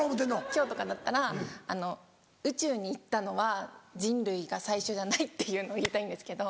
今日とかだったら宇宙に行ったのは人類が最初じゃないっていうのを言いたいんですけど。